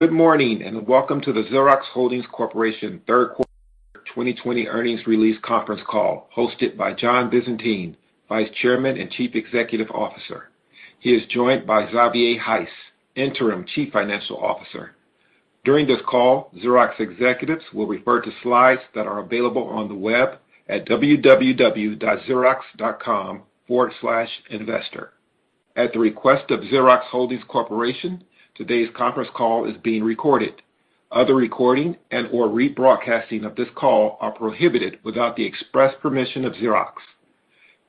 Good morning, and welcome to the Xerox Holdings Corporation third quarter 2020 earnings release conference call, hosted by John Visentin, Vice Chairman and Chief Executive Officer. He is joined by Xavier Heiss, Interim Chief Financial Officer. During this call, Xerox executives will refer to slides that are available on the web at www.xerox.com/investor. At the request of Xerox Holdings Corporation, today's conference call is being recorded. Other recording and/or rebroadcasting of this call are prohibited without the express permission of Xerox.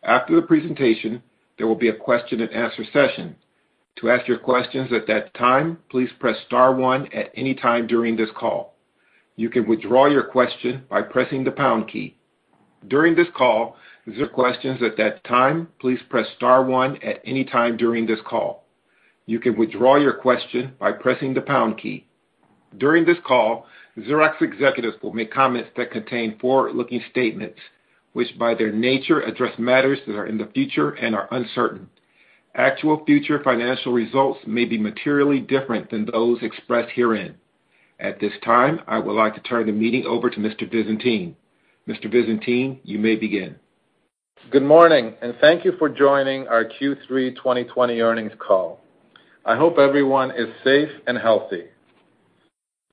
After the presentation, there will be a question-and-answer session. To ask your questions at that time, please press star one at any time during this call. You can withdraw your question by pressing the pound key. During this call, Xerox questions at that time, please press star one at any time during this call. You can withdraw your question by pressing the pound key. During this call, Xerox executives will make comments that contain forward-looking statements, which, by their nature, address matters that are in the future and are uncertain. Actual future financial results may be materially different than those expressed herein. At this time, I would like to turn the meeting over to Mr. Visentin. Mr. Visentin, you may begin. Good morning, and thank you for joining our Q3 2020 earnings call. I hope everyone is safe and healthy.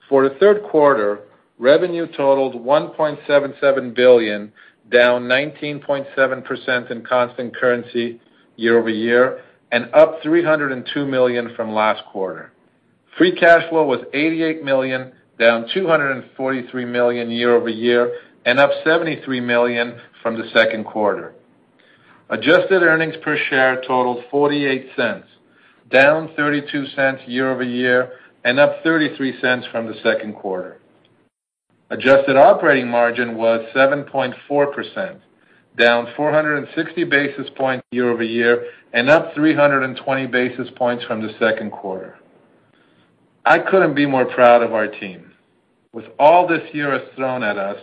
For the third quarter, revenue totaled $1.77 billion, down 19.7% in constant currency year-over-year, and up $302 million from last quarter. Free cash flow was $88 million, down $243 million year-over-year, and up $73 million from the second quarter. Adjusted earnings per share totaled $0.48, down $0.32 year-over-year, and up $0.33 from the second quarter. Adjusted operating margin was 7.4%, down 460 basis points year-over-year, and up 320 basis points from the second quarter. I couldn't be more proud of our team. With all this year has thrown at us,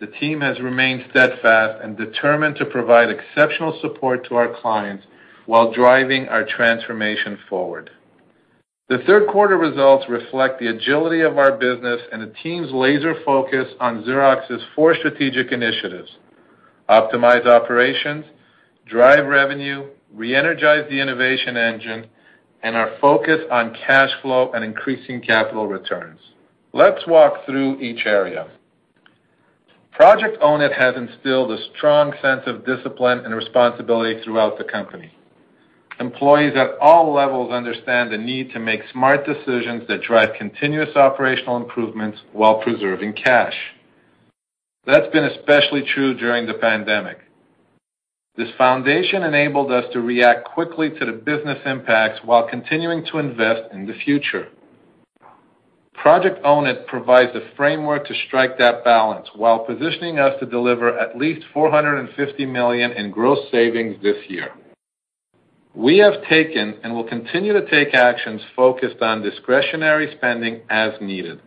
the team has remained steadfast and determined to provide exceptional support to our clients while driving our transformation forward. The third quarter results reflect the agility of our business and the team's laser focus on Xerox's four strategic initiatives: optimize operations, drive revenue, re-energize the innovation engine, and our focus on cash flow and increasing capital returns. Let's walk through each area. Project Own It has instilled a strong sense of discipline and responsibility throughout the company. Employees at all levels understand the need to make smart decisions that drive continuous operational improvements while preserving cash. That's been especially true during the pandemic. This foundation enabled us to react quickly to the business impacts while continuing to invest in the future. Project Own It provides a framework to strike that balance while positioning us to deliver at least $450 million in gross savings this year. We have taken, and will continue to take, actions focused on discretionary spending as needed.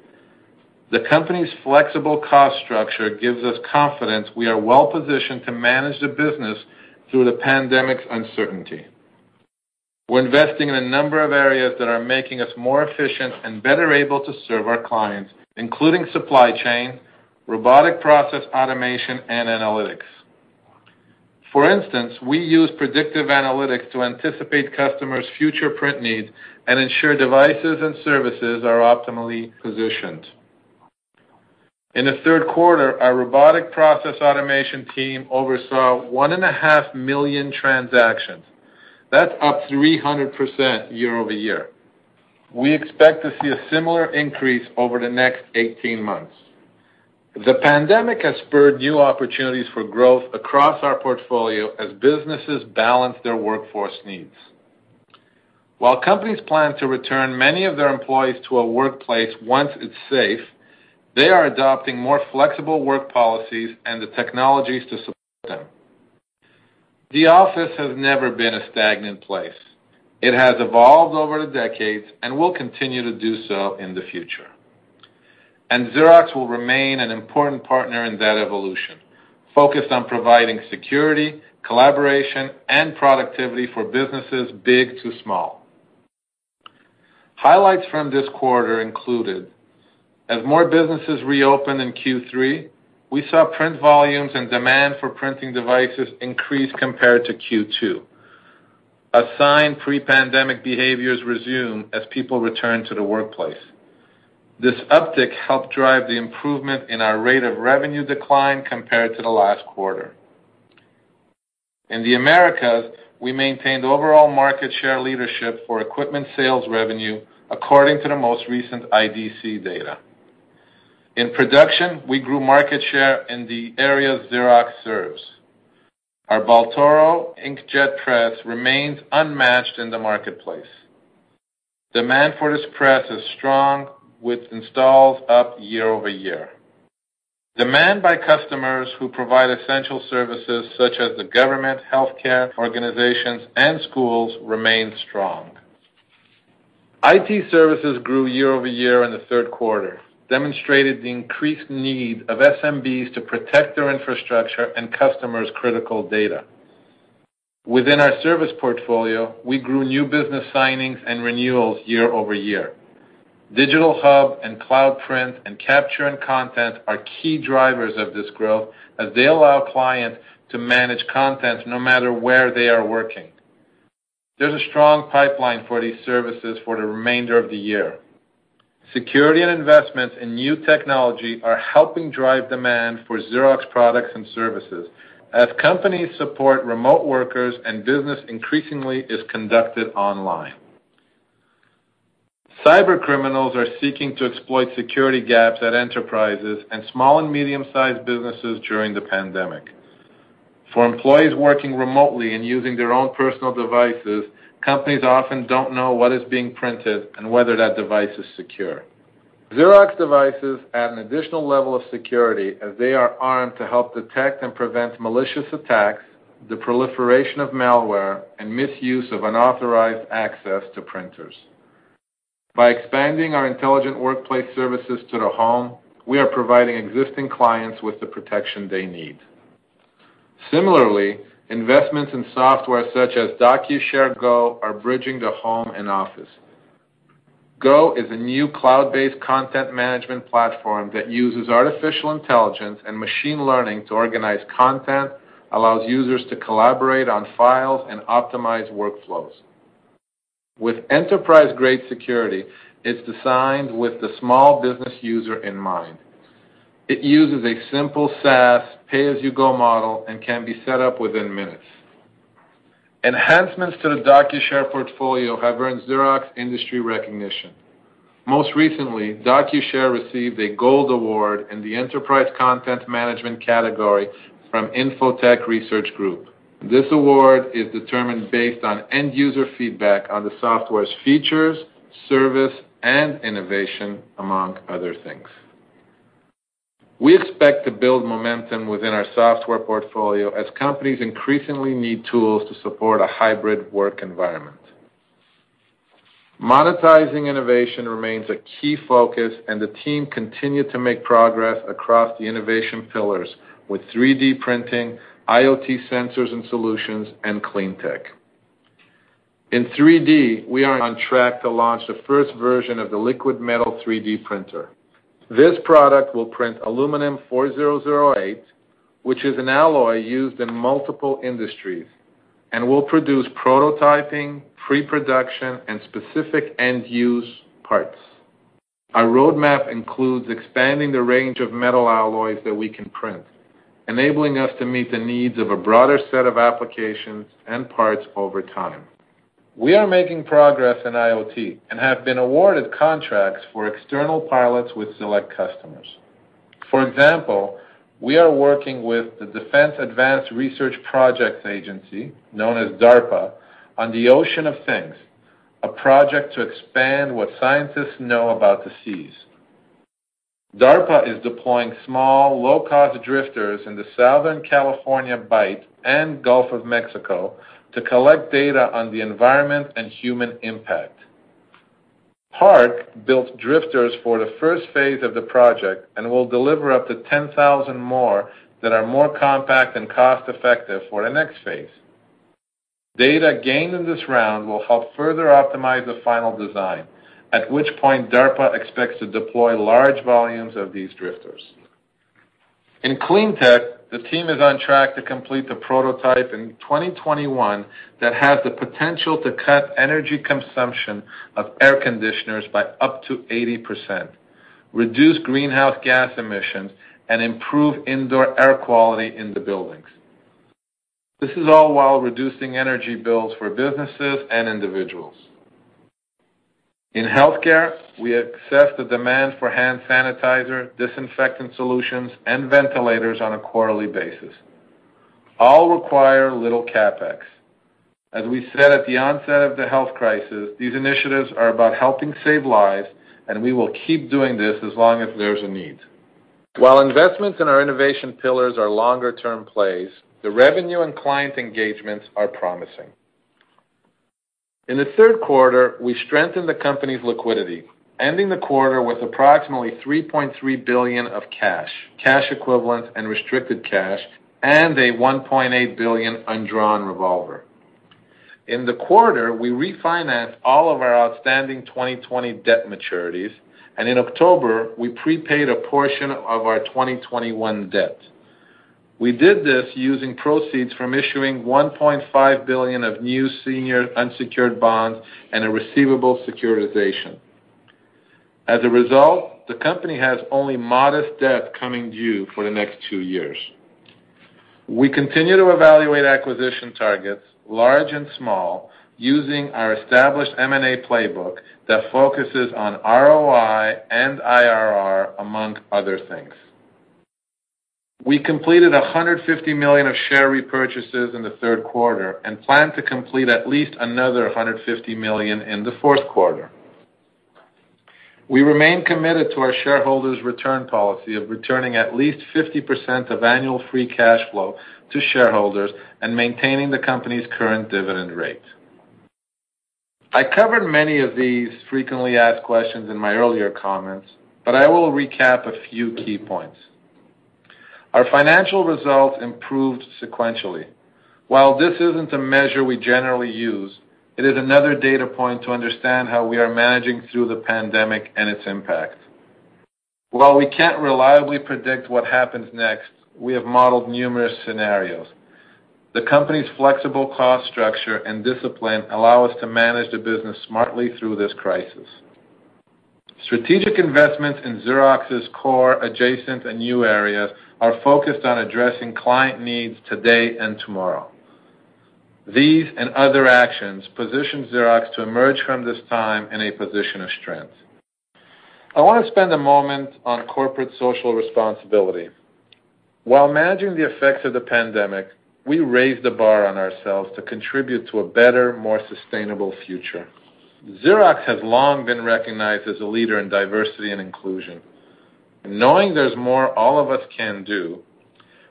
The company's flexible cost structure gives us confidence we are well-positioned to manage the business through the pandemic's uncertainty. We're investing in a number of areas that are making us more efficient and better able to serve our clients, including supply chain, robotic process automation, and analytics. For instance, we use predictive analytics to anticipate customers' future print needs and ensure devices and services are optimally positioned. In the third quarter, our robotic process automation team oversaw 1.5 million transactions. That's up 300% year-over-year. We expect to see a similar increase over the next 18 months. The pandemic has spurred new opportunities for growth across our portfolio as businesses balance their workforce needs. While companies plan to return many of their employees to a workplace once it's safe, they are adopting more flexible work policies and the technologies to support them. The office has never been a stagnant place. It has evolved over the decades and will continue to do so in the future. And Xerox will remain an important partner in that evolution, focused on providing security, collaboration, and productivity for businesses big to small. Highlights from this quarter included: As more businesses reopened in Q3, we saw print volumes and demand for printing devices increase compared to Q2. Assigned pre-pandemic behaviors resume as people return to the workplace. This uptick helped drive the improvement in our rate of revenue decline compared to the last quarter. In the Americas, we maintained overall market share leadership for equipment sales revenue, according to the most recent IDC data. In production, we grew market share in the areas Xerox serves. Our Baltoro inkjet press remains unmatched in the marketplace. Demand for this press is strong, with installs up year-over-year. Demand by customers who provide essential services such as the government, healthcare organizations, and schools remains strong. IT services grew year-over-year in the third quarter, demonstrating the increased need of SMBs to protect their infrastructure and customers' critical data.... Within our service portfolio, we grew new business signings and renewals year-over-year. Digital Hub and Cloud Print and Capture and Content are key drivers of this growth, as they allow clients to manage content no matter where they are working. There's a strong pipeline for these services for the remainder of the year. Security and investments in new technology are helping drive demand for Xerox products and services, as companies support remote workers and business increasingly is conducted online. Cybercriminals are seeking to exploit security gaps at enterprises and small and medium-sized businesses during the pandemic. For employees working remotely and using their own personal devices, companies often don't know what is being printed and whether that device is secure. Xerox devices add an additional level of security, as they are armed to help detect and prevent malicious attacks, the proliferation of malware, and misuse of unauthorized access to printers. By expanding our intelligent workplace services to the home, we are providing existing clients with the protection they need. Similarly, investments in software such as DocuShare Go are bridging the home and office. Go is a new cloud-based content management platform that uses artificial intelligence and machine learning to organize content, allows users to collaborate on files, and optimize workflows. With enterprise-grade security, it's designed with the small business user in mind. It uses a simple SaaS, pay-as-you-go model and can be set up within minutes. Enhancements to the DocuShare portfolio have earned Xerox industry recognition. Most recently, DocuShare received a Gold Award in the Enterprise Content Management category from Info-Tech Research Group. This award is determined based on end user feedback on the software's features, service, and innovation, among other things. We expect to build momentum within our software portfolio as companies increasingly need tools to support a hybrid work environment. Monetizing innovation remains a key focus, and the team continued to make progress across the innovation pillars with 3D printing, IoT sensors and solutions, and clean tech. In 3D, we are on track to launch the first version of the liquid metal 3D printer. This product will print aluminum 4008, which is an alloy used in multiple industries, and will produce prototyping, pre-production, and specific end-use parts. Our roadmap includes expanding the range of metal alloys that we can print, enabling us to meet the needs of a broader set of applications and parts over time. We are making progress in IoT and have been awarded contracts for external pilots with select customers. For example, we are working with the Defense Advanced Research Projects Agency, known as DARPA, on the Ocean of Things, a project to expand what scientists know about the seas. DARPA is deploying small, low-cost drifters in the Southern California Bight and Gulf of Mexico to collect data on the environment and human impact. PARC built drifters for the first phase of the project and will deliver up to 10,000 more that are more compact and cost-effective for the next phase. Data gained in this round will help further optimize the final design, at which point DARPA expects to deploy large volumes of these drifters. In clean tech, the team is on track to complete the prototype in 2021 that has the potential to cut energy consumption of air conditioners by up to 80%, reduce greenhouse gas emissions, and improve indoor air quality in the buildings. This is all while reducing energy bills for businesses and individuals. In healthcare, we assess the demand for hand sanitizer, disinfectant solutions, and ventilators on a quarterly basis. All require little CapEx. As we said at the onset of the health crisis, these initiatives are about helping save lives, and we will keep doing this as long as there's a need. While investments in our innovation pillars are longer-term plays, the revenue and client engagements are promising. In the third quarter, we strengthened the company's liquidity, ending the quarter with approximately $3.3 billion of cash, cash equivalents, and restricted cash, and a $1.8 billion undrawn revolver. In the quarter, we refinanced all of our outstanding 2020 debt maturities, and in October, we prepaid a portion of our 2021 debt. We did this using proceeds from issuing $1.5 billion of new senior unsecured bonds and a receivable securitization. As a result, the company has only modest debt coming due for the next two years. We continue to evaluate acquisition targets, large and small, using our established M&A playbook that focuses on ROI and IRR, among other things. We completed $150 million of share repurchases in the third quarter and plan to complete at least another $150 million in the fourth quarter. We remain committed to our shareholders' return policy of returning at least 50% of annual free cash flow to shareholders and maintaining the company's current dividend rate. I covered many of these frequently asked questions in my earlier comments, but I will recap a few key points. Our financial results improved sequentially. While this isn't a measure we generally use, it is another data point to understand how we are managing through the pandemic and its impact. While we can't reliably predict what happens next, we have modeled numerous scenarios. The company's flexible cost structure and discipline allow us to manage the business smartly through this crisis. Strategic investments in Xerox's core, adjacent, and new areas are focused on addressing client needs today and tomorrow. These and other actions position Xerox to emerge from this time in a position of strength. I want to spend a moment on corporate social responsibility. While managing the effects of the pandemic, we raised the bar on ourselves to contribute to a better, more sustainable future. Xerox has long been recognized as a leader in diversity and inclusion. Knowing there's more all of us can do,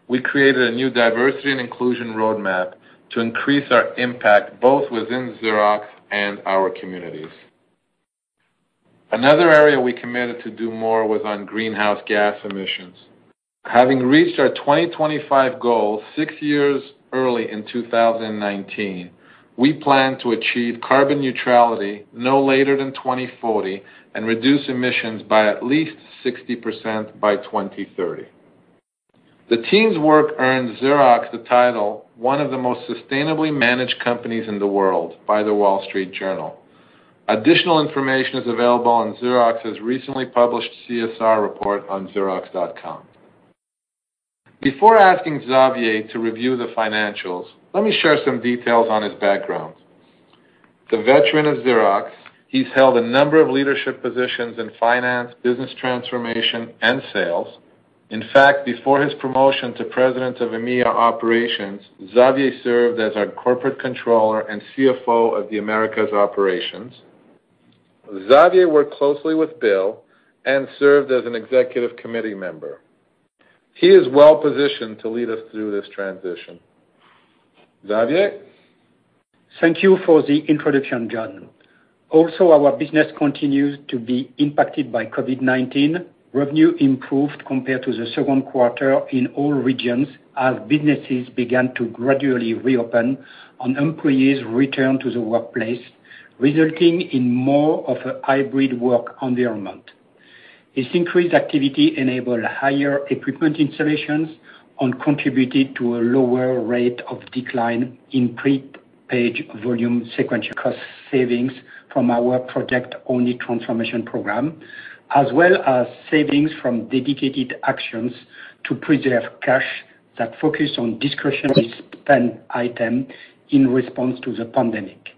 we created a new diversity and inclusion roadmap to increase our impact, both within Xerox and our communities. Another area we committed to do more was on greenhouse gas emissions. Having reached our 2025 goal 6 years early in 2019, we plan to achieve carbon neutrality no later than 2040 and reduce emissions by at least 60% by 2030. The team's work earned Xerox the title, one of the most sustainably managed companies in the world by The Wall Street Journal. Additional information is available on Xerox's recently published CSR report on xerox.com. Before asking Xavier to review the financials, let me share some details on his background. The veteran of Xerox, he's held a number of leadership positions in finance, business transformation, and sales. In fact, before his promotion to President of EMEA Operations, Xavier served as our corporate controller and CFO of the Americas Operations. Xavier worked closely with Bill and served as an executive committee member. He is well positioned to lead us through this transition. Xavier? Thank you for the introduction, John. Also, our business continues to be impacted by COVID-19. Revenue improved compared to the second quarter in all regions, as businesses began to gradually reopen and employees returned to the workplace, resulting in more of a hybrid work environment. This increased activity enabled higher equipment installations and contributed to a lower rate of decline in print page volume sequentially. Cost savings from our Project Own It transformation program, as well as savings from dedicated actions to preserve cash that focus on discretionary spend item in response to the pandemic.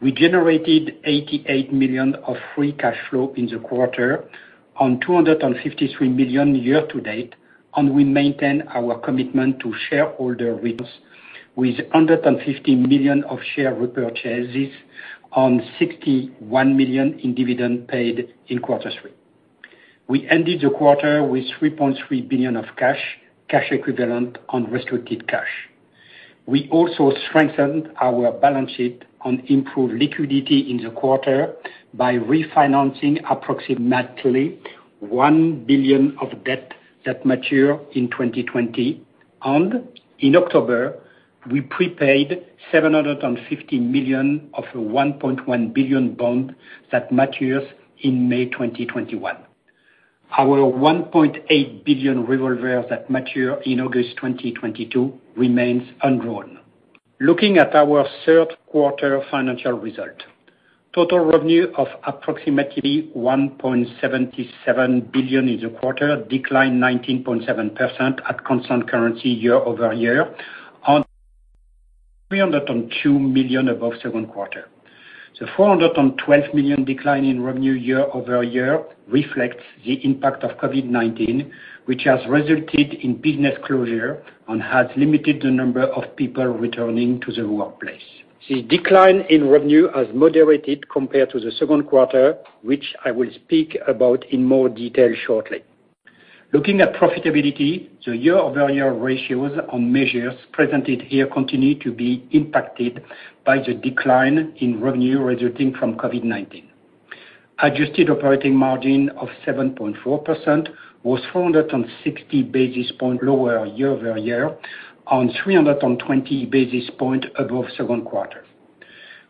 We generated $88 million of free cash flow in the quarter on $253 million year to date, and we maintain our commitment to shareholder returns, with $150 million of share repurchases on $61 million in dividend paid in quarter three. We ended the quarter with $3.3 billion of cash, cash equivalents, and restricted cash. We also strengthened our balance sheet and improved liquidity in the quarter by refinancing approximately $1 billion of debt that matures in 2020. In October, we prepaid $750 million of a $1.1 billion bond that matures in May 2021. Our $1.8 billion revolver that matures in August 2022 remains undrawn. Looking at our third quarter financial result, total revenue of approximately $1.77 billion in the quarter declined 19.7% at constant currency year over year, up $302 million above second quarter. The $412 million decline in revenue year over year reflects the impact of COVID-19, which has resulted in business closures and has limited the number of people returning to the workplace. The decline in revenue has moderated compared to the second quarter, which I will speak about in more detail shortly. Looking at profitability, the year-over-year ratios on measures presented here continue to be impacted by the decline in revenue resulting from COVID-19. Adjusted operating margin of 7.4% was 460 basis points lower year-over-year, and 320 basis points above second quarter.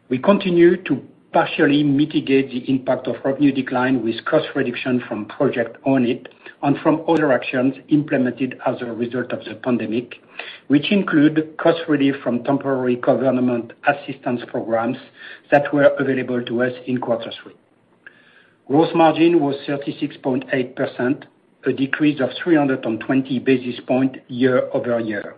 We continue to partially mitigate the impact of revenue decline with cost reduction from Project Own It and from other actions implemented as a result of the pandemic, which include cost relief from temporary government assistance programs that were available to us in quarter three. Gross margin was 36.8%, a decrease of 320 basis points year-over-year.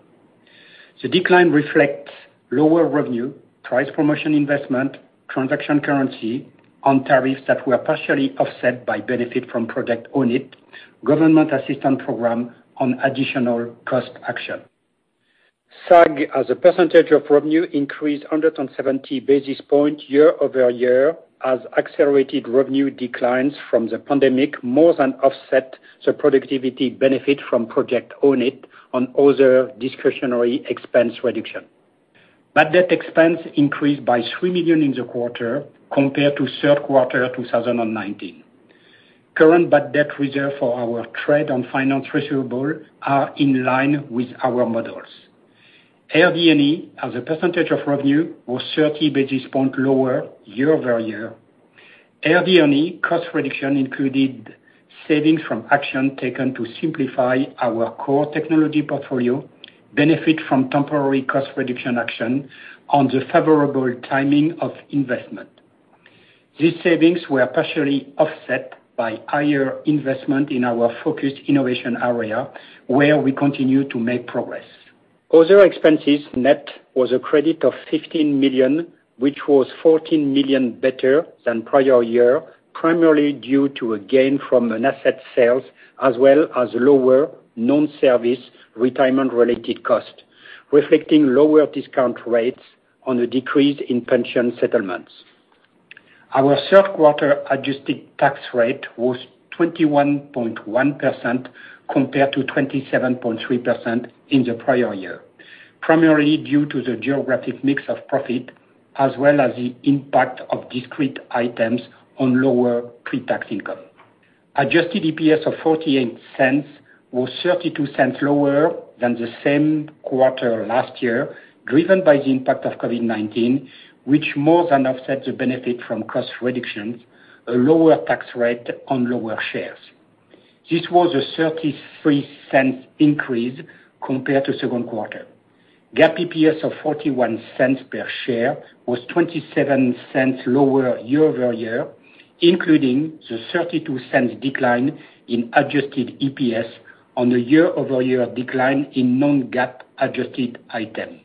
The decline reflects lower revenue, price promotion, investment, transaction, currency, and tariffs that were partially offset by benefit from Project Own It, government assistance program, on additional cost action. SAG, as a percentage of revenue, increased 170 basis points year-over-year, as accelerated revenue declines from the pandemic more than offset the productivity benefit from Project Own It on other discretionary expense reduction. Bad debt expense increased by $3 million in the quarter compared to third quarter of 2019. Current bad debt reserve for our trade and financing receivables are in line with our models. RD&E, as a percentage of revenue, was 30 basis points lower year-over-year. RD&E cost reduction included savings from action taken to simplify our core technology portfolio, benefit from temporary cost reduction action on the favorable timing of investment. These savings were partially offset by higher investment in our focused innovation area, where we continue to make progress. Other expenses net was a credit of $15 million, which was $14 million better than prior year, primarily due to a gain from an asset sales, as well as lower non-service retirement-related costs, reflecting lower discount rates on a decrease in pension settlements. Our third quarter adjusted tax rate was 21.1%, compared to 27.3% in the prior year, primarily due to the geographic mix of profit, as well as the impact of discrete items on lower pre-tax income. Adjusted EPS of $0.48 was $0.32 lower than the same quarter last year, driven by the impact of COVID-19, which more than offset the benefit from cost reductions, a lower tax rate on lower shares. This was a $0.33 increase compared to second quarter. GAAP EPS of $0.41 per share was $0.27 lower year-over-year, including the $0.32 decline in adjusted EPS on a year-over-year decline in non-GAAP-adjusted item.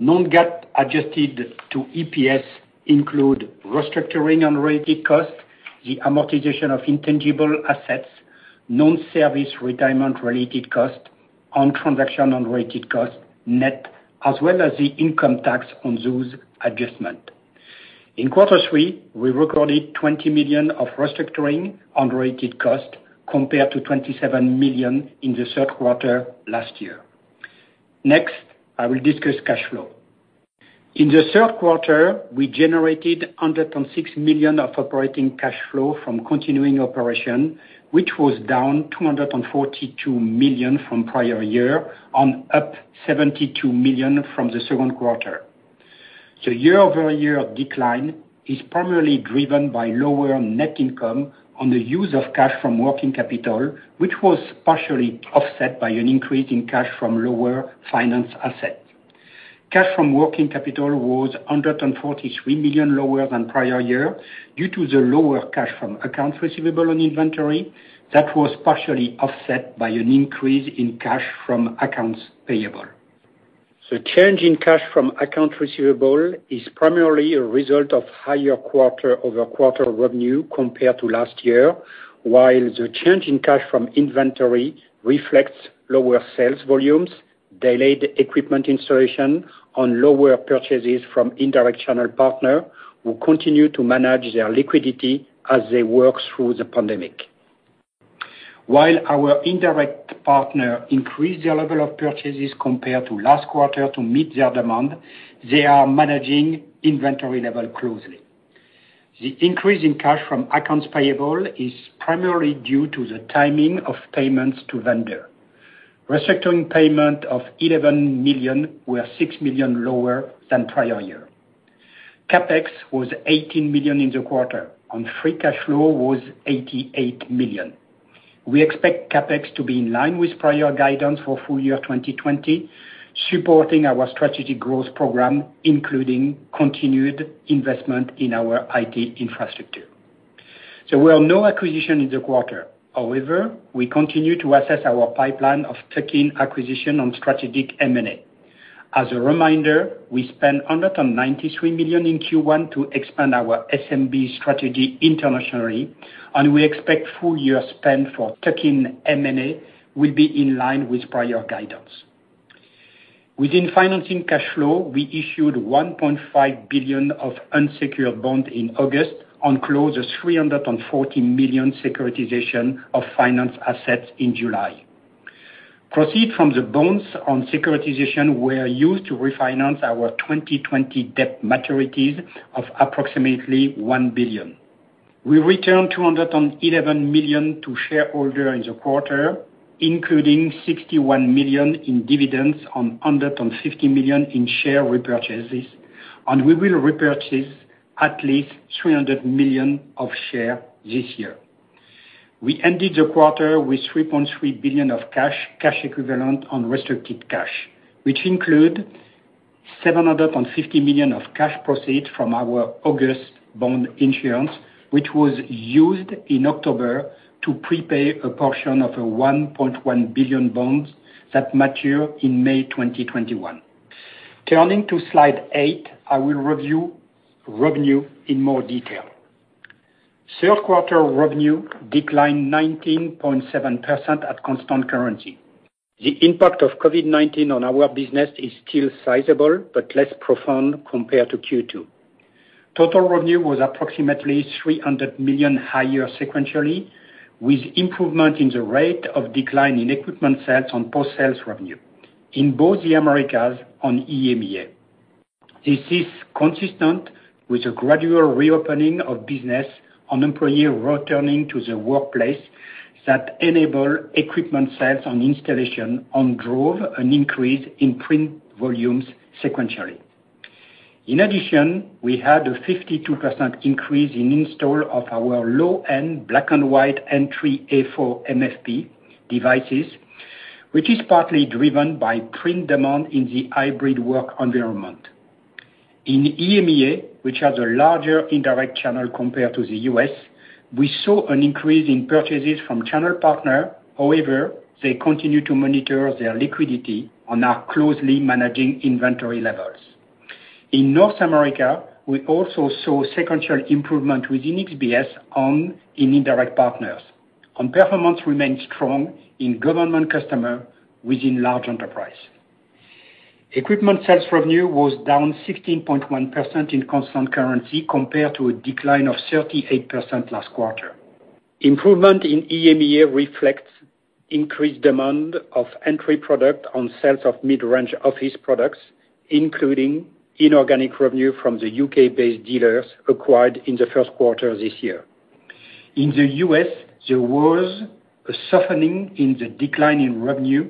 Non-GAAP adjusted EPS includes restructuring and related costs, the amortization of intangible assets, non-service retirement-related costs, and transaction-related costs net, as well as the income tax on those adjustments. In quarter three, we recorded $20 million of restructuring and related costs, compared to $27 million in the third quarter last year. Next, I will discuss cash flow. In the third quarter, we generated $106 million of operating cash flow from continuing operations, which was down $242 million from prior year and up $72 million from the second quarter. The year-over-year decline is primarily driven by lower net income on the use of cash from working capital, which was partially offset by an increase in cash from lower finance assets. Cash from working capital was $143 million lower than prior year due to the lower cash from accounts receivable and inventory. That was partially offset by an increase in cash from accounts payable. The change in cash from accounts receivable is primarily a result of higher quarter-over-quarter revenue compared to last year, while the change in cash from inventory reflects lower sales volumes, delayed equipment installation, and lower purchases from indirect channel partner, who continue to manage their liquidity as they work through the pandemic. While our indirect partner increased their level of purchases compared to last quarter to meet their demand, they are managing inventory level closely. The increase in cash from accounts payable is primarily due to the timing of payments to vendor. Restructuring payment of $11 million were $6 million lower than prior year. CapEx was $18 million in the quarter, and free cash flow was $88 million. We expect CapEx to be in line with prior guidance for full year 2020, supporting our strategic growth program, including continued investment in our IT infrastructure. There were no acquisition in the quarter. However, we continue to assess our pipeline of tuck-in acquisition on strategic M&A. As a reminder, we spent $193 million in Q1 to expand our SMB strategy internationally, and we expect full year spend for tuck-in M&A will be in line with prior guidance. Within financing cash flow, we issued $1.5 billion of unsecured bonds in August, and closed a $340 million securitization of finance assets in July. Proceeds from the bonds and securitization were used to refinance our 2020 debt maturities of approximately $1 billion. We returned $211 million to shareholders in the quarter, including $61 million in dividends and $150 million in share repurchases, and we will repurchase at least $300 million of shares this year. We ended the quarter with $3.3 billion of cash, cash equivalents, and restricted cash, which includes $750 million of cash proceeds from our August bond issuance, which was used in October to prepay a portion of a $1.1 billion bonds that mature in May 2021. Turning to Slide 8, I will review revenue in more detail. Third quarter revenue declined 19.7% at constant currency. The impact of COVID-19 on our business is still sizable, but less profound compared to Q2. Total revenue was approximately $300 million higher sequentially, with improvement in the rate of decline in equipment sales and post-sales revenue in both the Americas and EMEA. This is consistent with the gradual reopening of business and employee returning to the workplace that enable equipment sales and installation, and drove an increase in print volumes sequentially. In addition, we had a 52% increase in install of our low-end black and white entry A4 MFP devices, which is partly driven by print demand in the hybrid work environment. In EMEA, which has a larger indirect channel compared to the U.S., we saw an increase in purchases from channel partner. However, they continue to monitor their liquidity and are closely managing inventory levels. In North America, we also saw sequential improvement within XBS in indirect partners, and performance remained strong in government customer within large enterprise. Equipment sales revenue was down 16.1% in constant currency, compared to a decline of 38% last quarter. Improvement in EMEA reflects increased demand of entry product on sales of mid-range office products, including inorganic revenue from the UK-based dealers acquired in the first quarter this year. In the US, there was a softening in the decline in revenue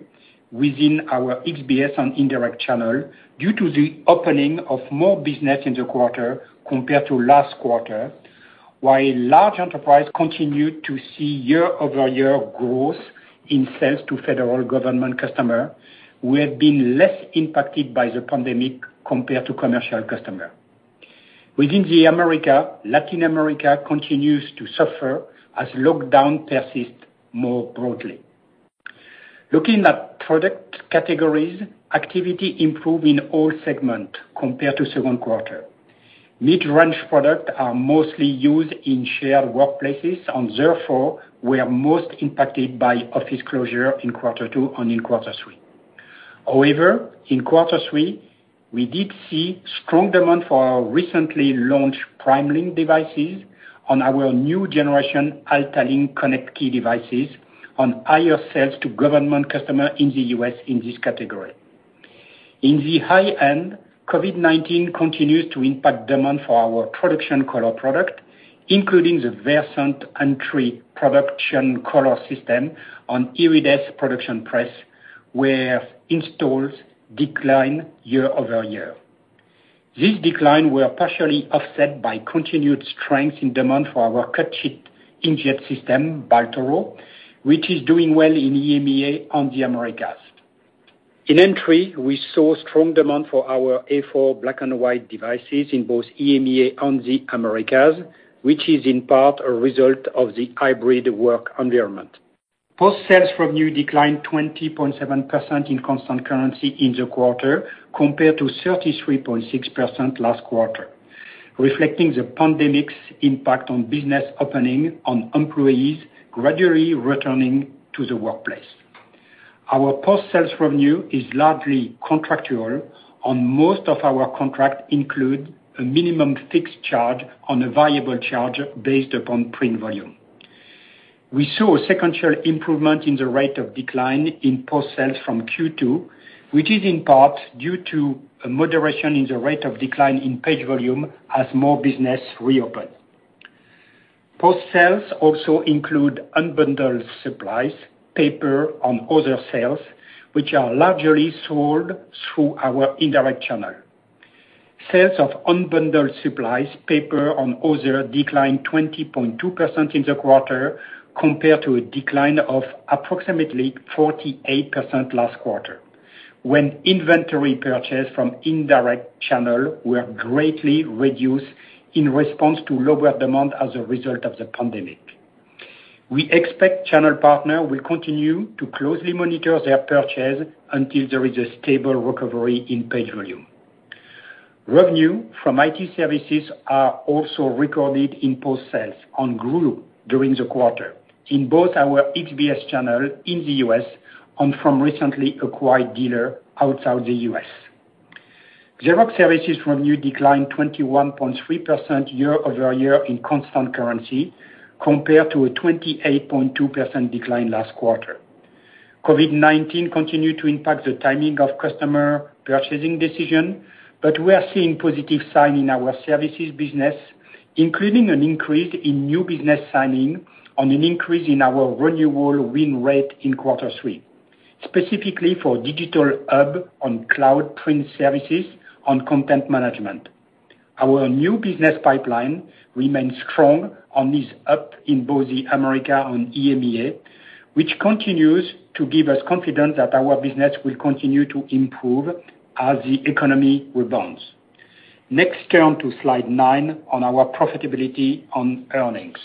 within our XBS and indirect channel due to the opening of more business in the quarter compared to last quarter, while large enterprise continued to see year-over-year growth in sales to federal government customer, who have been less impacted by the pandemic compared to commercial customer. Within the Americas, Latin America continues to suffer as lockdown persists more broadly. Looking at product categories, activity improved in all segments compared to the second quarter. Mid-range products are mostly used in shared workplaces, and therefore, were most impacted by office closures in quarter two and in quarter three. However, in quarter three, we did see strong demand for our recently launched PrimeLink devices, our new generation AltaLink ConnectKey devices, and higher sales to government customers in the US in this category. In the high end, COVID-19 continues to impact demand for our production color products, including the Versant entry production color systems and Iridesse Production Press, where installs declined year-over-year. This decline was partially offset by continued strength in demand for our cut-sheet inkjet system, Baltoro, which is doing well in EMEA and the Americas. In entry, we saw strong demand for our A4 black and white devices in both EMEA and the Americas, which is in part a result of the hybrid work environment. Post-sales revenue declined 20.7% in constant currency in the quarter, compared to 33.6% last quarter, reflecting the pandemic's impact on businesses opening and employees gradually returning to the workplace. Our post-sales revenue is largely contractual, and most of our contracts include a minimum fixed charge and a variable charge based upon print volume. We saw a sequential improvement in the rate of decline in post-sales from Q2, which is in part due to a moderation in the rate of decline in page volume as more businesses reopened. Post-sales also include unbundled supplies, paper, and other sales, which are largely sold through our indirect channel. Sales of unbundled supplies, paper, and other declined 20.2% in the quarter, compared to a decline of approximately 48% last quarter, when inventory purchase from indirect channel were greatly reduced in response to lower demand as a result of the pandemic. We expect channel partner will continue to closely monitor their purchase until there is a stable recovery in page volume. Revenue from IT services are also recorded in post-sales and grew during the quarter in both our XBS channel in the U.S. and from recently acquired dealer outside the U.S. Xerox Services revenue declined 21.3% year-over-year in constant currency, compared to a 28.2% decline last quarter. COVID-19 continued to impact the timing of customer purchasing decisions, but we are seeing positive signs in our services business, including an increase in new business signings and an increase in our renewal win rate in quarter three, specifically for Digital Hub and Cloud Print Services and Content Management. Our new business pipeline remains strong and is up in both the Americas and EMEA, which continues to give us confidence that our business will continue to improve as the economy rebounds. Next, turn to slide 9 on our profitability on earnings.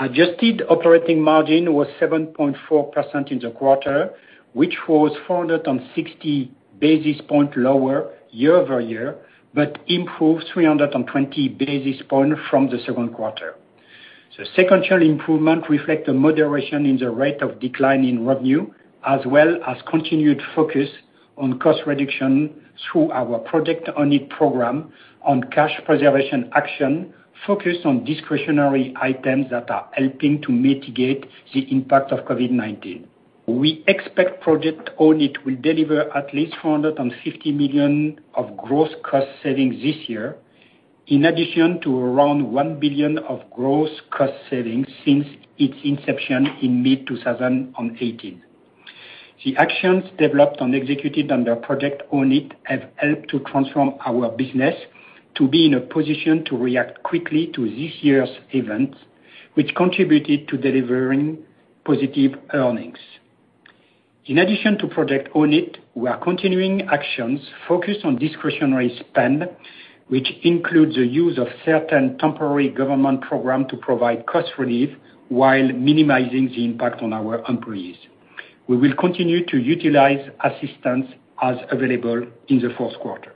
Adjusted operating margin was 7.4% in the quarter, which was 460 basis points lower year-over-year, but improved 320 basis points from the second quarter. The sequential improvement reflect a moderation in the rate of decline in revenue, as well as continued focus on cost reduction through our Project Own It program on cash preservation action, focused on discretionary items that are helping to mitigate the impact of COVID-19. We expect Project Own It will deliver at least $450 million of gross cost savings this year, in addition to around $1 billion of gross cost savings since its inception in mid-2018. The actions developed and executed under Project Own It have helped to transform our business to be in a position to react quickly to this year's events, which contributed to delivering positive earnings. In addition to Project Own It, we are continuing actions focused on discretionary spend, which includes the use of certain temporary government program to provide cost relief while minimizing the impact on our employees. We will continue to utilize assistance as available in the fourth quarter.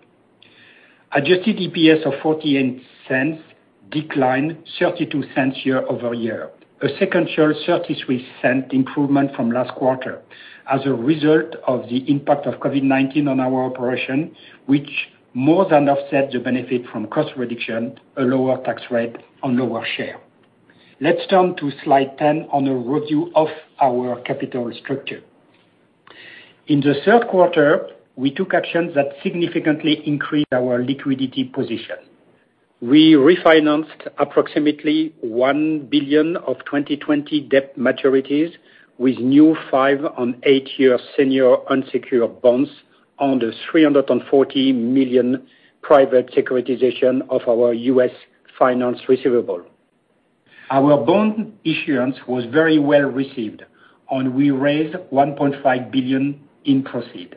Adjusted EPS of $0.48 declined $0.32 year-over-year, a sequential $0.33 improvement from last quarter as a result of the impact of COVID-19 on our operation, which more than offset the benefit from cost reduction, a lower tax rate, and lower share. Let's turn to slide 10 on a review of our capital structure. In the third quarter, we took actions that significantly increased our liquidity position. We refinanced approximately $1 billion of 2020 debt maturities with new 5- and 8-year senior unsecured bonds plus the $340 million private securitization of our U.S. finance receivable. Our bond issuance was very well received, and we raised $1.5 billion in proceeds.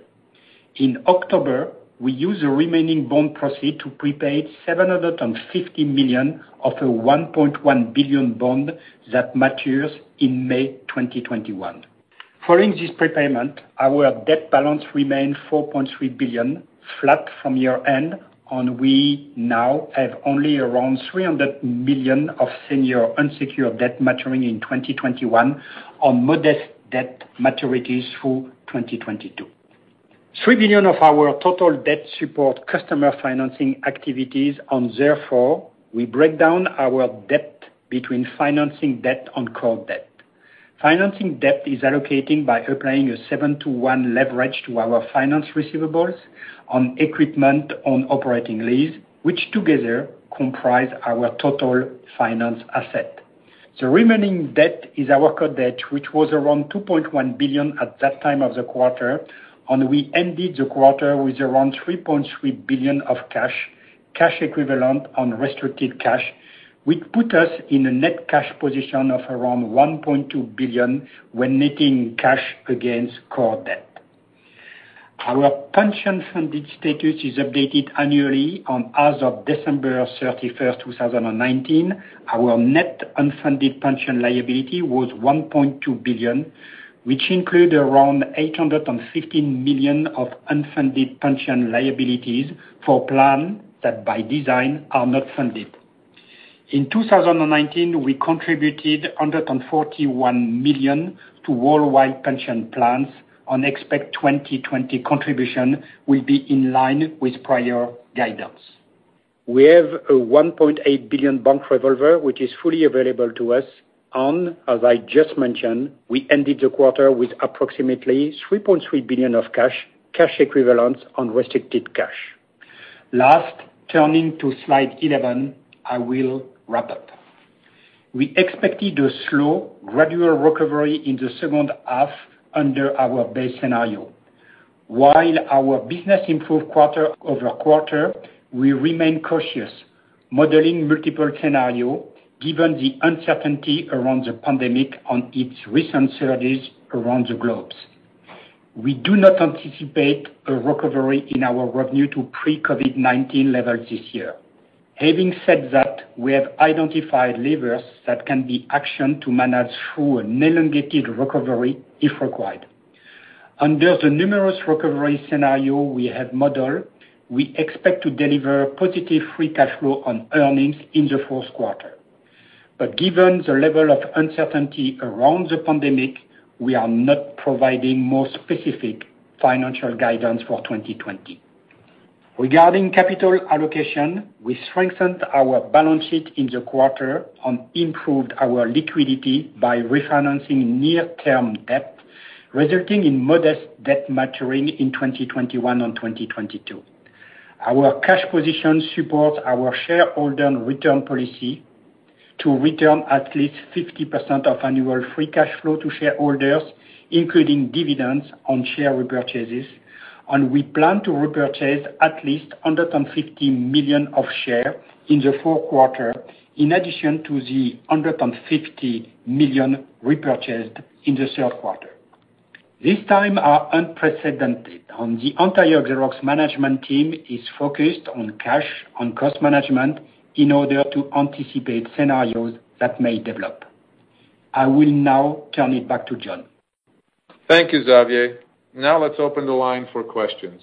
In October, we used the remaining bond proceeds to prepay $750 million of a $1.1 billion bond that matures in May 2021. Following this prepayment, our debt balance remained $4.3 billion, flat from year-end, and we now have only around $300 million of senior unsecured debt maturing in 2021, on modest debt maturities through 2022. $3 billion of our total debt support customer financing activities, and therefore, we break down our debt between financing debt and core debt. Financing debt is allocated by applying a 7-to-1 leverage to our finance receivables on equipment, on operating lease, which together comprise our total finance asset. The remaining debt is our core debt, which was around $2.1 billion at that time of the quarter, and we ended the quarter with around $3.3 billion of cash, cash equivalent, and restricted cash, which put us in a net cash position of around $1.2 billion when netting cash against core debt. Our pension-funded status is updated annually, and as of December 31, 2019, our net unfunded pension liability was $1.2 billion, which include around $815 million of unfunded pension liabilities for plan that by design, are not funded. In 2019, we contributed $141 million to worldwide pension plans and expect 2020 contribution will be in line with prior guidance. We have a $1.8 billion bank revolver, which is fully available to us, and as I just mentioned, we ended the quarter with approximately $3.3 billion of cash, cash equivalents, unrestricted cash. Lastly, turning to slide 11, I will wrap up. We expected a slow, gradual recovery in the second half under our base scenario. While our business improved quarter-over-quarter, we remain cautious, modeling multiple scenarios, given the uncertainty around the pandemic and its recent surges around the globe. We do not anticipate a recovery in our revenue to pre-COVID-19 levels this year. Having said that, we have identified levers that can be actioned to manage through an elongated recovery if required. Under the numerous recovery scenarios we have modeled, we expect to deliver positive free cash flow on earnings in the fourth quarter. But given the level of uncertainty around the pandemic, we are not providing more specific financial guidance for 2020. Regarding capital allocation, we strengthened our balance sheet in the quarter and improved our liquidity by refinancing near-term debt, resulting in modest debt maturing in 2021 and 2022. Our cash position supports our shareholder return policy to return at least 50% of annual free cash flow to shareholders, including dividends and share repurchases, and we plan to repurchase at least $150 million of shares in the fourth quarter, in addition to the $150 million repurchased in the third quarter. These times are unprecedented, and the entire Xerox management team is focused on cash and cost management in order to anticipate scenarios that may develop. I will now turn it back to John. Thank you, Xavier. Now, let's open the line for questions.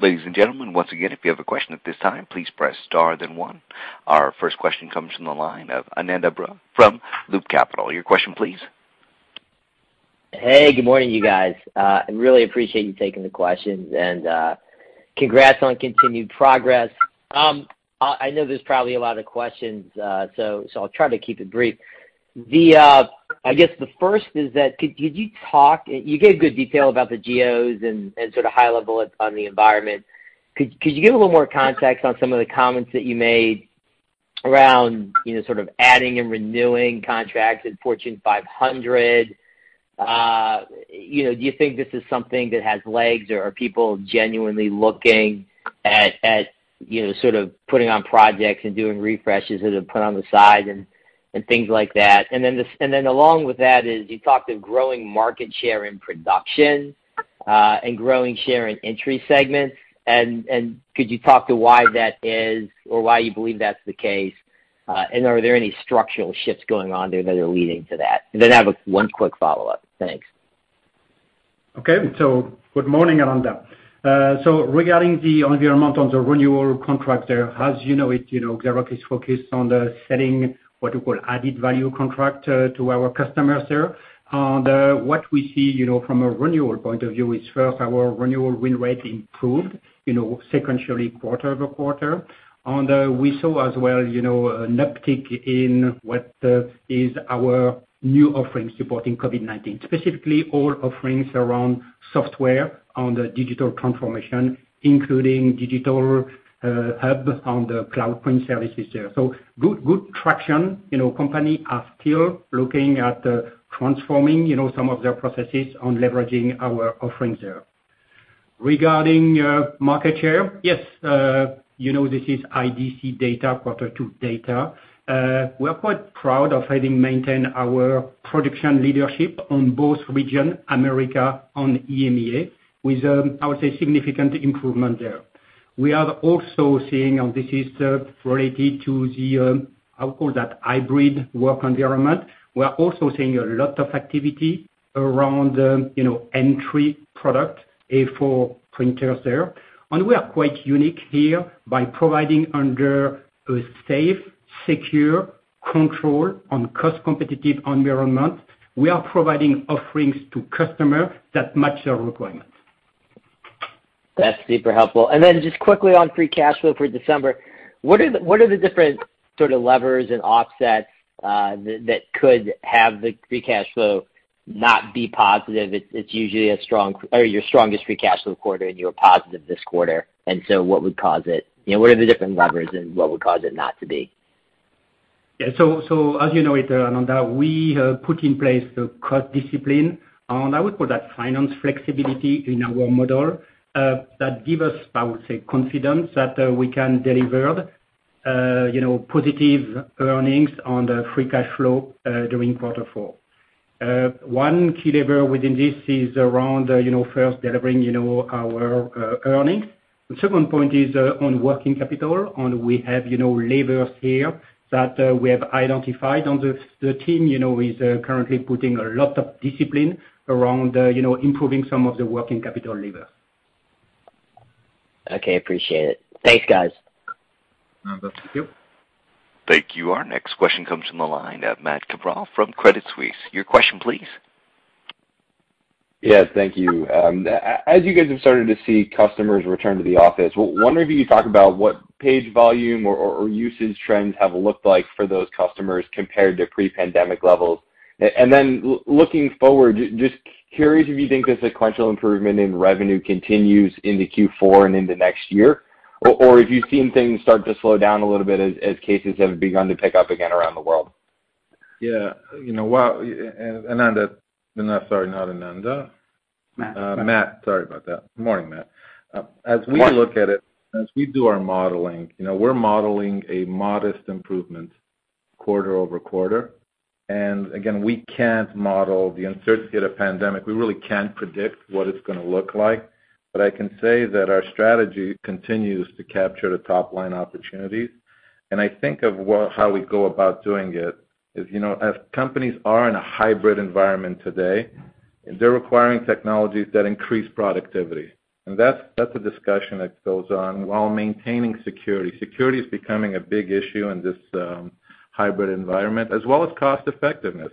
Ladies and gentlemen, once again, if you have a question at this time, please press star then one. Our first question comes from the line of Ananda Baruah from Loop Capital. Your question, please?... Hey, good morning, you guys. I really appreciate you taking the questions, and congrats on continued progress. I know there's probably a lot of questions, so I'll try to keep it brief. I guess the first is that, could you talk-- You gave good detail about the geos and sort of high level on the environment. Could you give a little more context on some of the comments that you made around, you know, sort of adding and renewing contracts with Fortune 500? You know, do you think this is something that has legs, or are people genuinely looking at, you know, sort of putting on projects and doing refreshes that are put on the side and things like that? And then along with that is, you talked of growing market share in production, and growing share in entry segments. And could you talk to why that is, or why you believe that's the case? And are there any structural shifts going on there that are leading to that? And then I have one quick follow-up. Thanks. Okay. So good morning, Ananda. So regarding the environment on the renewal contract there, as you know it, you know, Xerox is focused on the selling what we call added value contract to our customers there. And what we see, you know, from a renewal point of view is, first, our renewal win rate improved, you know, sequentially quarter-over-quarter. And we saw as well, you know, an uptick in what is our new offerings supporting COVID-19, specifically all offerings around software on the digital transformation, including Digital Hub on the Cloud Print Services there. So good, good traction. You know, company are still looking at transforming, you know, some of their processes on leveraging our offerings there. Regarding market share, yes, you know, this is IDC data, quarter two data. We are quite proud of having maintained our production leadership on both regions, Americas and EMEA, with, I would say, significant improvement there. We are also seeing, and this is, related to the, I would call that hybrid work environment. We are also seeing a lot of activity around, you know, entry product, A4 printers there. And we are quite unique here by providing under a safe, secure control on cost competitive environment. We are providing offerings to customers that match their requirements. That's super helpful. And then just quickly on free cash flow for December, what are the different sort of levers and offsets that could have the free cash flow not be positive? It's usually a strong... or your strongest free cash flow quarter, and you were positive this quarter. And so what would cause it? You know, what are the different levers and what would cause it not to be? Yeah. So, so as you know it, Ananda, we put in place the cost discipline, and I would call that finance flexibility in our model. That give us, I would say, confidence that we can deliver, you know, positive earnings on the free cash flow during quarter four. One key lever within this is around, you know, first delivering, you know, our earnings. The second point is on working capital, and we have, you know, levers here that we have identified, and the team, you know, is currently putting a lot of discipline around, you know, improving some of the working capital levers. Okay, appreciate it. Thanks, guys. Ananda, thank you. Thank you. Our next question comes from the line of Matt Cabral from Credit Suisse. Your question, please. Yeah, thank you. As you guys have started to see customers return to the office, wonder if you could talk about what page volume or, or, usage trends have looked like for those customers compared to pre-pandemic levels. And then looking forward, just curious if you think the sequential improvement in revenue continues into Q4 and into next year, or, or if you've seen things start to slow down a little bit as, as cases have begun to pick up again around the world? Yeah, you know, well, and, Ananda—no, sorry, not Ananda. Matt. Matt, sorry about that. Morning, Matt. As we look at it, as we do our modeling, you know, we're modeling a modest improvement quarter-over-quarter. And again, we can't model the uncertainty of the pandemic. We really can't predict what it's gonna look like. But I can say that our strategy continues to capture the top-line opportunities. And I think of how we go about doing it is, you know, as companies are in a hybrid environment today, they're requiring technologies that increase productivity. And that's a discussion that goes on while maintaining security. Security is becoming a big issue in this hybrid environment, as well as cost effectiveness.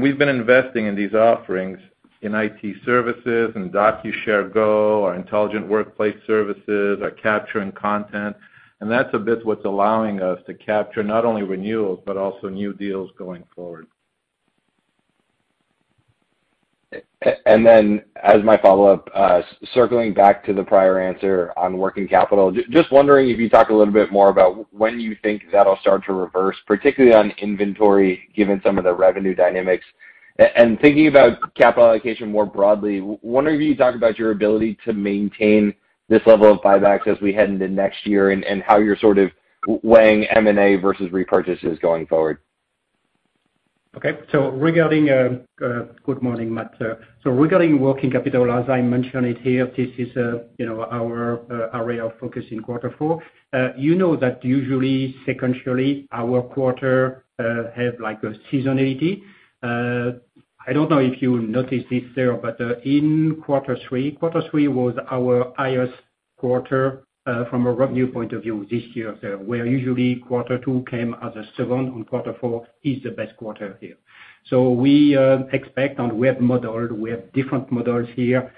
We've been investing in these offerings in IT services, in DocuShare Go, our intelligent workplace services, our capture and content, and that's a bit what's allowing us to capture not only renewals, but also new deals going forward. And then as my follow-up, circling back to the prior answer on working capital, just wondering if you talk a little bit more about when you think that'll start to reverse, particularly on inventory, given some of the revenue dynamics. And thinking about capital allocation more broadly, wonder if you could talk about your ability to maintain this level of buybacks as we head into next year and, and how you're sort of weighing M&A versus repurchases going forward? Okay. So regarding Good morning, Matt. So regarding working capital, as I mentioned it here, this is you know, our area of focus in quarter four. You know that usually, sequentially, our quarter have like a seasonality. I don't know if you noticed this there, but in quarter three, quarter three was our highest quarter from a revenue point of view this year there, where usually quarter two came as a second, and quarter four is the best quarter here. So we expect, and we have modeled, we have different models here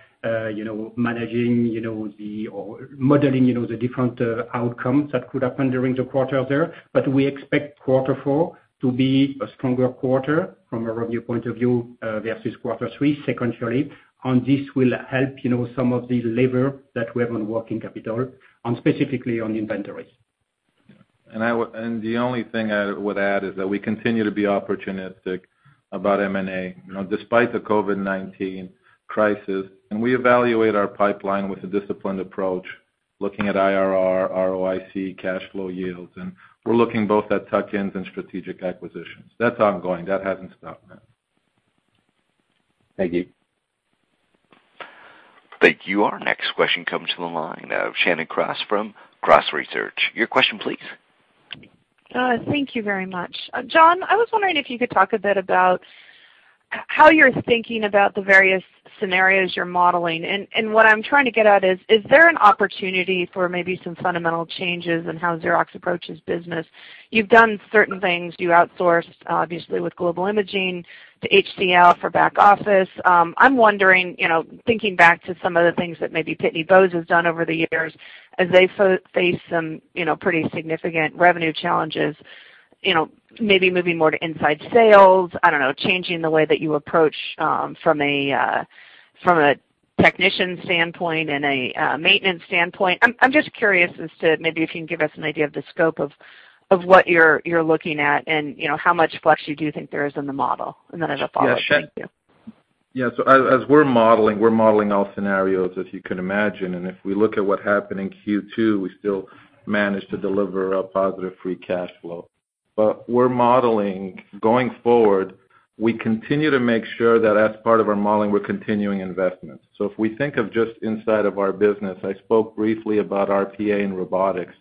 you know, managing you know, or modeling you know, the different outcomes that could happen during the quarter there. But we expect quarter four to be a stronger quarter from a revenue point of view, versus quarter three, secondarily, and this will help, you know, some of the labor that we have on working capital and specifically on inventories. And the only thing I would add is that we continue to be opportunistic about M&A, you know, despite the COVID-19 crisis. And we evaluate our pipeline with a disciplined approach, looking at IRR, ROIC, cash flow yields, and we're looking both at tuck-ins and strategic acquisitions. That's ongoing. That hasn't stopped now. Thank you. Thank you. Our next question comes from the line of Shannon Cross from Cross Research. Your question please. Thank you very much. John, I was wondering if you could talk a bit about how you're thinking about the various scenarios you're modeling. And what I'm trying to get at is, is there an opportunity for maybe some fundamental changes in how Xerox approaches business? You've done certain things. You outsourced, obviously, with Global Imaging to HCL for back office. I'm wondering, you know, thinking back to some of the things that maybe Pitney Bowes has done over the years as they faced some, you know, pretty significant revenue challenges, you know, maybe moving more to inside sales, I don't know, changing the way that you approach, from a technician standpoint and a maintenance standpoint. I'm just curious as to maybe if you can give us an idea of the scope of what you're looking at and, you know, how much flex you do think there is in the model? And then as a follow-up. Thank you. Yeah, so as we're modeling all scenarios, as you can imagine, and if we look at what happened in Q2, we still managed to deliver a positive free cash flow. But we're modeling, going forward, we continue to make sure that as part of our modeling, we're continuing investments. So if we think of just inside of our business, I spoke briefly about RPA and robotics.